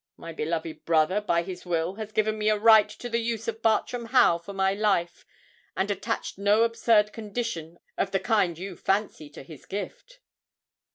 My beloved brother, by his will, has given me a right to the use of Bartram Haugh for my life, and attached no absurd condition of the kind you fancy to his gift."